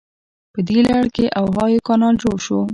په دې لړ کې اوهایو کانال جوړ شو.